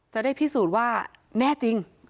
จะได้พิสูจน์ว่าแน่จริง